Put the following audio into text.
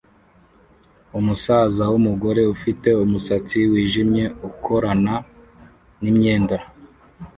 Umusaza wumugore ufite umusatsi wijimye ukorana nimyenda